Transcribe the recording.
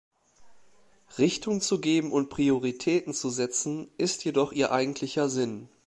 Richtung zu geben und Prioritäten zu setzen, ist jedoch ihr eigentlicher Sinn.